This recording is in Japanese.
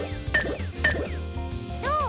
どう？